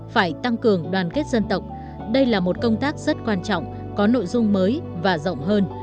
phải tăng cường đoàn kết dân tộc đây là một công tác rất quan trọng có nội dung mới và rộng hơn